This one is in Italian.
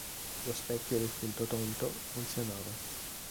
Lo specchio del finto tonto funzionava.